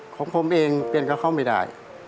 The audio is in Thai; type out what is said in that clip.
ของผมเองเป็นกับเขาไม่ได้